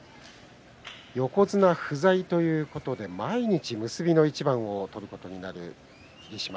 横綱不在ということで、毎日結びの一番を取ることになる霧島。